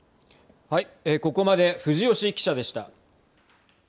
ここまで藤吉記者でした。